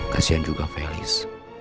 kasian juga v list